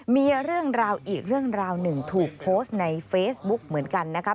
มีเรื่องราวอีกเรื่องราวหนึ่งถูกโพสต์ในเฟซบุ๊กเหมือนกันนะครับ